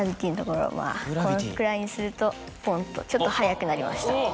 このくらいにするとポンとちょっと速くなりました。